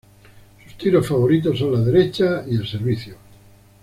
Sus tiros favoritos son la derecha y el servicio.